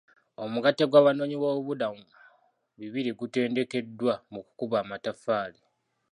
Omugatte gw'abanoonyiboobubuddamu bibiri gutendekeddwa mu kukuba amatafaali .